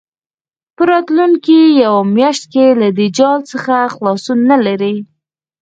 په راتلونکې یوه میاشت کې له دې جال څخه خلاصون نه لري.